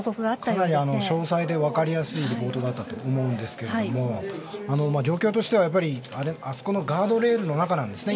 かなり詳細で分かりやすい報道だったと思うんですが状況としては、あそこのガードレールの中なんですよね。